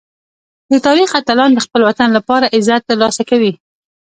د تاریخ اتلان د خپل وطن لپاره عزت ترلاسه کوي.